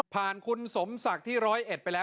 ผ่านคุณสมสักที่ร้อยเอ็ดไปแล้ว